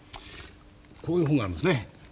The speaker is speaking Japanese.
こういう本があるんですね。